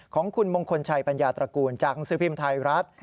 ของคุณมงคลชัยปัญญาตระกูลจากหนังสือพิมพ์ไทยรัฐ